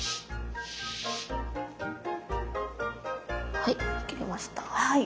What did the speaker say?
はい切りました。